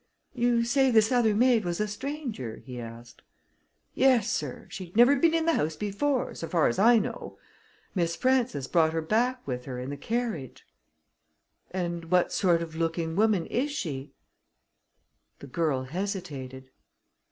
"You say this other maid was a stranger?" he asked. "Yes, sir; she'd never been in the house before, so far as I know. Miss Frances brought her back with her in the carriage." "And what sort of looking woman is she?" The girl hesitated.